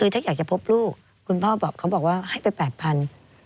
ถ้าอยากจะพบลูกคุณพ่อก็บอกว่าให้เป็นแปดพัน